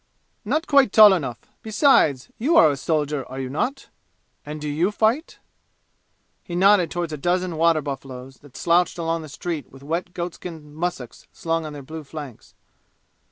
"Not quite tall enough. Besides you are a soldier, are you not? And do you fight?" He nodded toward a dozen water buffaloes, that slouched along the street with wet goatskin mussuks slung on their blue flanks.